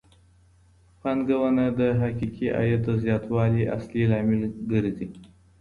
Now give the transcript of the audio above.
پانګونه د حقيقي عايد د زياتوالي اصلي لامل ګرځي.